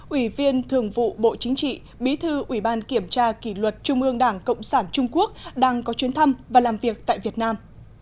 ủy viên thường vụ bộ chính trị bí thư ủy ban kiểm tra kỷ luật trung ương đảng cộng sản trung quốc đang có chuyến thăm và làm việc tại việt nam